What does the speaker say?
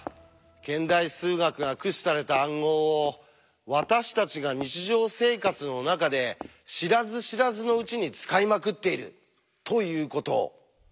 現代数学が駆使された暗号を私たちが日常生活の中で知らず知らずのうちに使いまくっているということを。